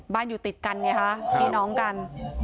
อยู่ติดกันไงคะพี่น้องกัน